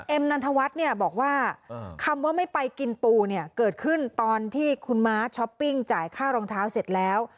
นันทวัฒน์เนี่ยบอกว่าคำว่าไม่ไปกินปูเนี่ยเกิดขึ้นตอนที่คุณม้าช้อปปิ้งจ่ายค่ารองเท้าเสร็จแล้ว